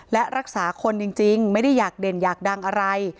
และรักษาคนจริงไม่ได้อยากเด่นอยากดังอะไร